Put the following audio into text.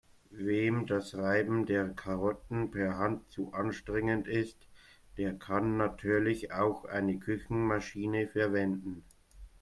Wem das Reiben der Karotten per Hand zu anstrengend ist, der kann natürlich auch eine Küchenmaschine verwenden.